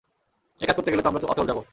এ কাজ করতে গেলে তো আমরা অচল যাবো।